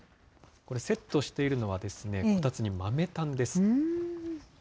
これ、セットしているのは、こたつに豆炭です。